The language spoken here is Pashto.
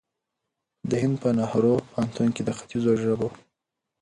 د هند په نهرو پوهنتون کې د خیتځو ژبو